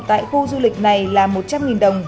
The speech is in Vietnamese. tại khu du lịch này là một trăm linh đồng